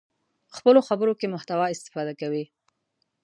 خپلو خبرو کې محتوا استفاده کوي.